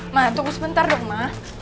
ma tunggu sebentar dong ma